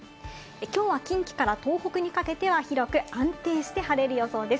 きょうは近畿から東北にかけては広く安定して晴れる予想です。